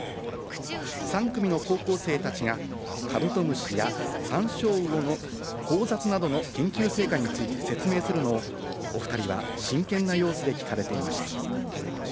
３組の高校生たちが、カブトムシやサンショウウオの交雑などの研究成果について説明するのをお２人は真剣な様子で聞かれていました。